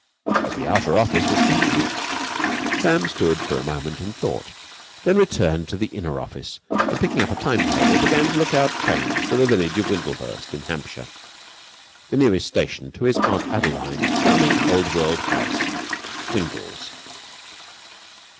But the outer office was empty. Sam stood for a moment in thought, then he returned to the inner office, and, picking up a time table, began to look out trains to the village of Windlehurst in Hampshire, the nearest station to his aunt Adeline's charming old world house, Windles.